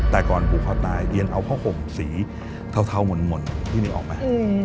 แต่ก่อนผูกคอตายเรียนเอาผ้าห่มสีเทาหม่นพี่นึกออกไหม